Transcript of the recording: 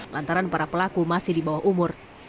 lantaran para pelaku masih di bawah umur